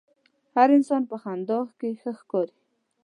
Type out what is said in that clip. هر انسان په خندا کښې ښه ښکاري.